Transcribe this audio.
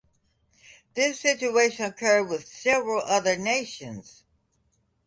This situation occurred with several other nations.